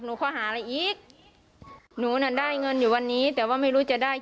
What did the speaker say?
นะฮะเออนี่บอกเลยนะฮะส่งใบไปให้เขานี่เขาไม่คืนเลยนะเออ